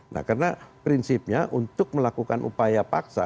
nah karena prinsipnya untuk melakukan upaya paksa